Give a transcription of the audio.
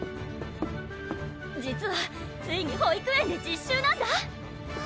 実はついに保育園で実習なんだ！